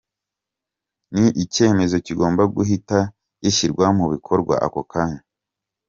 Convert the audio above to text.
Ni icyemezo kigomba guhita gishirwa mu bikorwa ako kanya”.